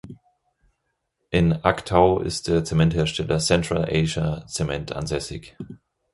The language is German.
In Aqtau ist der Zementhersteller Central Asia Cement ansässig.